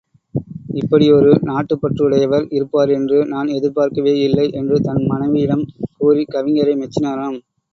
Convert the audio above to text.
இப்படியொரு நாட்டுப் பற்றுடையவர் இருப்பார் என்று நான் எதிர்பார்க்கவேயில்லை என்று தம் மனைவியிடம் கூறிக் கவிஞரை மெச்சினாராம்.